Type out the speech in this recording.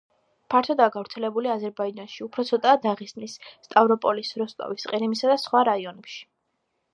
ფართოდაა გავრცელებული აზერბაიჯანში, უფრო ცოტაა დაღესტნის, სტავროპოლის, როსტოვის, ყირიმისა და სხვა რაიონებში.